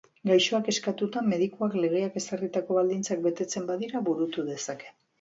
Gaixoak eskatuta, medikuak legeak ezarritako baldintzak betetzen badira burutu dezake.